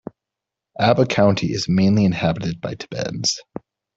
Aba County is mainly inhabited by Tibetans.